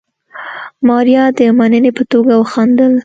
ماريا د مننې په توګه وخندل.